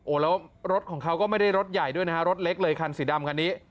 แล้วรถของเขาก็ไม่ได้รถใหญ่ด้วยนะฮะรถเล็กเลยคันสีดำคันนี้